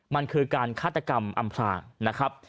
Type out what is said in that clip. มันคือการฆาตกรรมอำพรางนะครับ